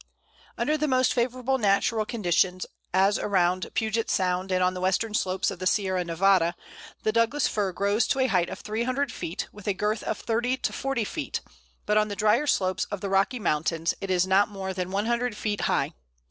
Under the most favourable natural conditions, as around Puget Sound and on the western slopes of the Sierra Nevada, the Douglas Fir grows to a height of 300 feet, with a girth of 30 to 40 feet, but on the drier slopes of the Rocky Mountains it is not more than 100 feet high.